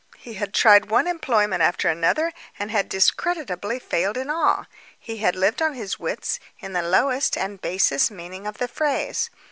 He had tried one employment after another, and had discreditably failed in all. He had lived on his wits, in the lowest and basest meaning of the phrase.